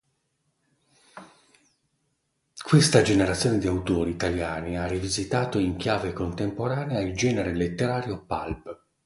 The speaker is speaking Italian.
Questa generazione di autori italiani ha rivisitato in chiave contemporanea il genere letterario "pulp".